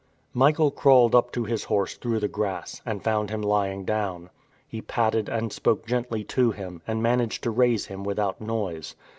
Michael crawled up to his horse through the grass, and found him lying down. He patted and spoke gently to him, and managed to raise him without noise.